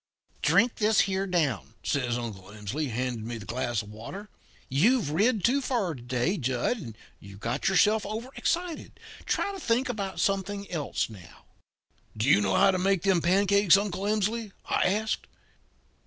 "'Drink this here down,' says Uncle Emsley, handing me the glass of water. 'You've rid too far to day, Jud, and got yourself over excited. Try to think about something else now.' "'Do you know how to make them pancakes, Uncle Emsley?' I asked.